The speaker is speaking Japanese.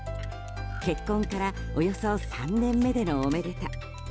結婚からおよそ３年目でのおめでた。